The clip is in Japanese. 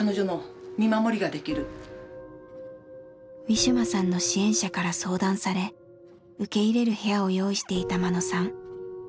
ウィシュマさんの支援者から相談され受け入れる部屋を用意していた眞野さん。